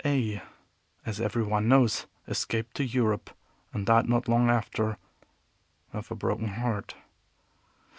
A , as everyone knows, escaped to Europe, and died not long after, of a broken heart.